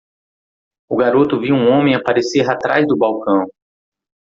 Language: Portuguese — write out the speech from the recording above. O garoto viu um homem aparecer atrás do balcão.